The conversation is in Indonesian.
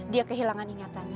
dia kehilangan ingatannya